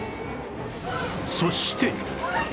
そして